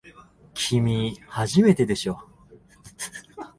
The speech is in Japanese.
きみ、初めてでしょ。